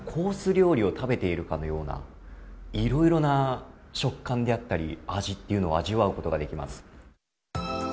料理を食べているかのようないろいろな食感であったり味というのを味わうことができます。